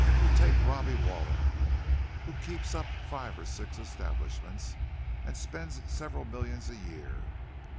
Or take Robbie Walling, who keeps up five or six establishments, and spends several millions a year.